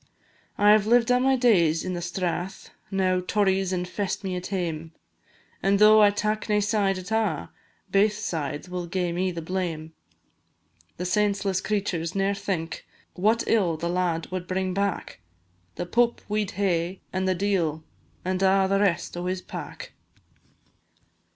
I 've lived a' my days in the Strath Now Tories infest me at hame, And tho' I tak nae side at a', Baith sides will gae me the blame. The senseless creturs ne'er think What ill the lad wad bring back; The Pope we 'd hae, and the d l, And a' the rest o' his pack.